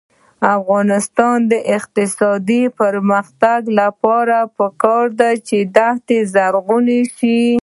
د افغانستان د اقتصادي پرمختګ لپاره پکار ده چې دښتي زرغونې شي.